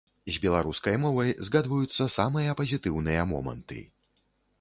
З беларускай мовай згадваюцца самыя пазітыўныя моманты.